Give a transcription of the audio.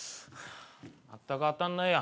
まったく当たんないや。